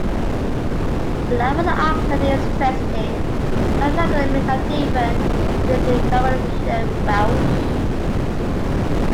The Laugharne accent is interesting, sounding like a mix of Devon with Carmarthenshire Welsh.